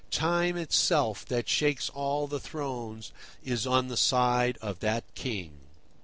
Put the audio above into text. Time itself, that shakes all the thrones, is on the side of that king.